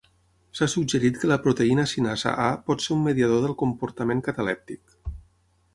S'ha suggerit que la proteïna-cinasa A pot ser un mediador del comportament catalèptic.